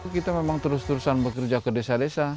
kita memang terus terusan bekerja ke desa desa